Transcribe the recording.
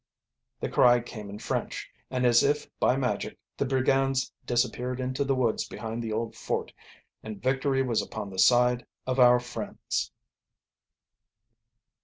The cry came in French, and as if by magic the brigands disappeared into the woods behind the old fort; and victory was upon the side of our friends.